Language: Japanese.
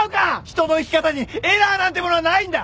人の生き方にエラーなんてものはないんだ！